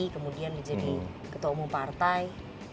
kemudian menjadi ketua umum partai